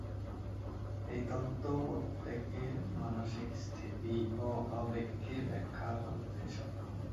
এই তত্ব প্রত্যেকের মানসিক স্থিতি ও আবেগকে ব্যাখ্যা করতে সক্ষম।